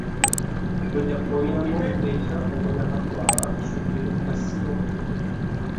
Ndojapóiramo upéicha oguerahakuaa chupe Jasy Jatere.